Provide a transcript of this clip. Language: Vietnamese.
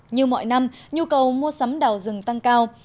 như mọi năm nhu cầu mua sắm đào rừng tăng cao